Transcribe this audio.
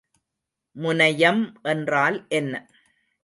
முனையம் என்றால் என்ன?